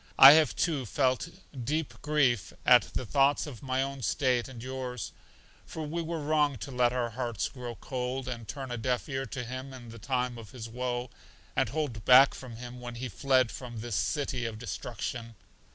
I have, too, felt deep grief at the thoughts of my own state and yours; for we were wrong to let our hearts grow cold, and turn a deaf ear to him in the time of his woe, and hold back from him when he fled from this City of Destruction.